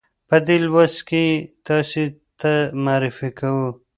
په دې لوست کې یې تاسې ته معرفي کوو.